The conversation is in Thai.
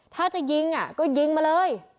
ถ้าจะยิงก็ยิงมาเลย